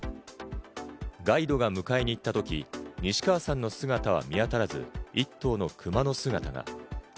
ガイドが迎えに行ったとき、西川さんの姿は見当たらず、１頭のクマの姿が。